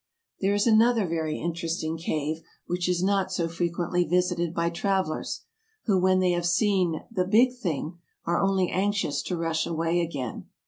There is another very interesting cave, which is not so frequently visited by travelers, who when they have seen " the big thing," are only anxious to rush away again.